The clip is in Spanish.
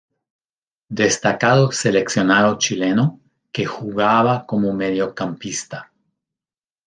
Destacado seleccionado chileno que jugaba como mediocampista.